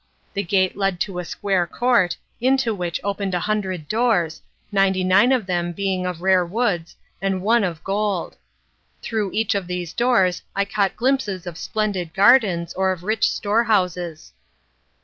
The gate led into a square court, into which opened a hundred doors, ninety nine of them being of rare woods and one of gold. Through each of these doors I caught glimpses of splendid gardens or of rich storehouses.